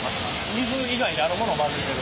水以外にある物を混ぜてる？